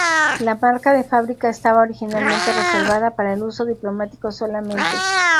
La marca de fábrica estaba originalmente reservada para el uso diplomático solamente.